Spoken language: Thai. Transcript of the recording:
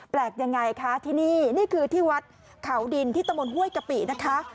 ยังไงคะที่นี่นี่คือที่วัดเขาดินที่ตะมนต้วยกะปินะคะ